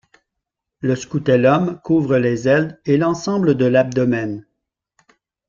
Le scutellum couvre les ailes et l'ensemble de l'abdomen.